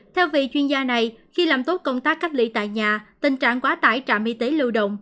theo vị chuyên gia này khi làm tốt công tác cách ly tại nhà tình trạng quá tải trạm y tế lưu động